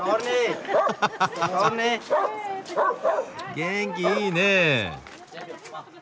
元気いいねえ。